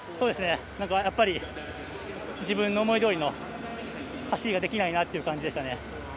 やっぱり自分の思い通りの走りができないなっていう感じでした。